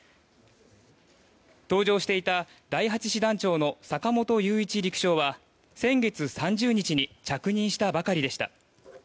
搭乗していた第８師団長の坂本雄一陸将は先月３０日に着任したばかりでした。